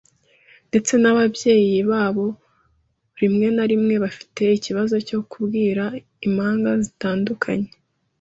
Ndetse n'ababyeyi babo rimwe na rimwe bafite ikibazo cyo kubwira impanga zitandukanye.